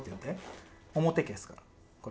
表消すから。